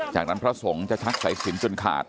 จากนั้นพระสงฆ์จะชักสายสินจนขาด